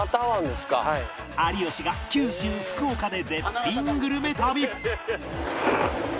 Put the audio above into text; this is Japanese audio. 有吉が九州福岡で絶品グルメ旅